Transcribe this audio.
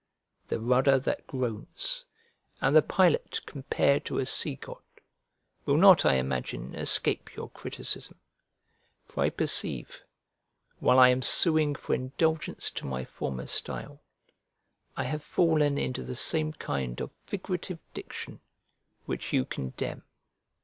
The rudder that groans, and the pilot compared to a sea god, will not, I imagine, escape your criticism: for I perceive, while I am suing for indulgence to my former style, I have fallen into the same kind of figurative diction which you condemn.